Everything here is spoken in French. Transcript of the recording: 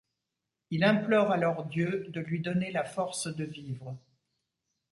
Il implore alors Dieu de lui donner la force de vivre.